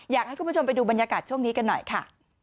อยากให้คุณผู้ชมไปดูบรรยากาศช่วงนี้กันหน่อยค่ะ